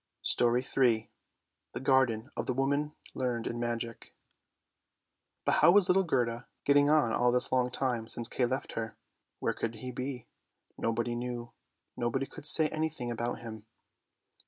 STORY THREE THE GARDEN OF THE WOMAN LEARNED IN MAGIC But how was little Gerda getting on all this long time since Kay left her? Where could he be? Nobody knew, nobody could say anything about him.